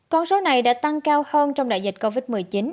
con số này đã tăng cao hơn trong đại dịch covid một mươi chín